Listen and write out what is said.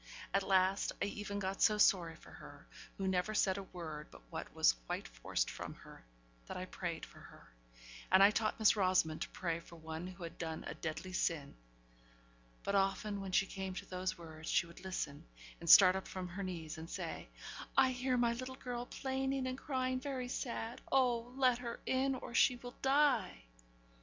At last I even got so sorry for her who never said a word but what was quite forced from her that I prayed for her; and I taught Miss Rosamond to pray for one who had done a deadly sin; but often when she came to those words, she would listen, and start up from her knees, and say, 'I hear my little girl plaining and crying very sad oh, let her in, or she will die!'